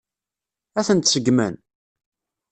Ad tent-seggmen?